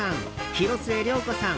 広末涼子さん